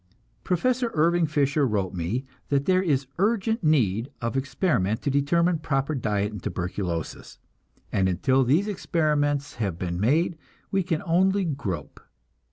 Prof. Irving Fisher wrote me that there is urgent need of experiment to determine proper diet in tuberculosis; and until these experiments have been made, we can only grope.